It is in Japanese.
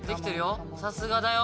さすがだよ！